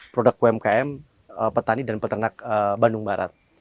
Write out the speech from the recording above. produk umkm petani dan peternak bandung barat